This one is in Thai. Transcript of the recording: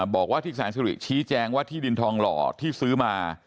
บอกว่าที่แสนสุริชี้แจงว่าที่ดินทองหล่อที่ซื้อมา